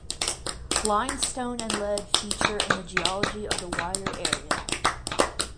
Limestone and lead feature in the geology of the wider area.